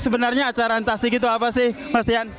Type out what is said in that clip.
sebenarnya acara runtastic itu apa sih mas tian